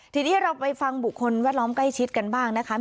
ทีนี้เราไปฟังบุคคลแวดล้อมใกล้ชิดกันบ้างนะคะ